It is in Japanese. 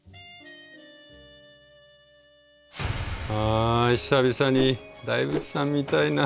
あ久々に大仏さん見たいな。